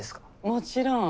もちろん。